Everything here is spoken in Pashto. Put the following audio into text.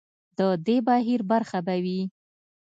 د دې بهیر برخه به وي.